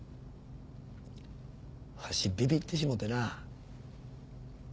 わしびびってしもうてな。